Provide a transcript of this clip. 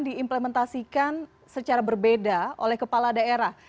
diimplementasikan secara berbeda oleh kepala daerah